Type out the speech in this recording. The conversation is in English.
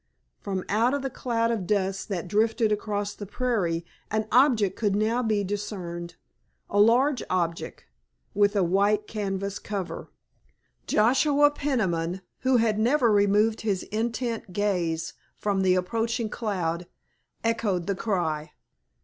From out of the cloud of dust that drifted across the prairie an object could now be discerned, a large object, with a white canvas cover. Joshua Peniman, who had never removed his intent gaze from the approaching cloud, echoed the cry.